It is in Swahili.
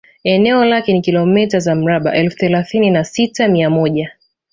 Eneo lake ni kilometa za mraba elfu themanini na sita mia moja